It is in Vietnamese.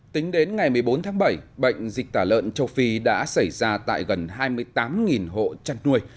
tính đến ngày một mươi bốn tháng bảy bệnh dịch tả lợn châu phi đã xảy ra tại gần hai mươi tám hộ chăn nuôi